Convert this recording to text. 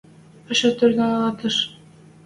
Пӓшӓ тӧрлӓнӹш.